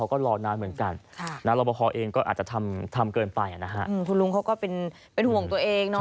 เป็นห่วงตัวเองตั้งแต่เช้า